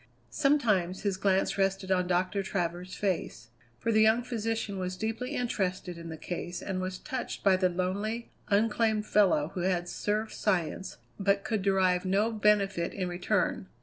Sometimes his glance rested on Doctor Travers's face, for the young physician was deeply interested in the case and was touched by the lonely, unclaimed fellow who had served science, but could derive no benefit in return.